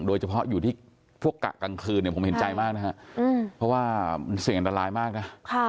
โดยเฉพาะอยู่ที่พวกกะกลางคืนผมเห็นใจมากนะคะ